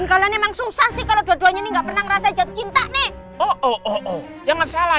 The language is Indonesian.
kalau memang susah sih kalau dua duanya ini nggak pernah ngerasa jatuh cinta nih oh jangan salah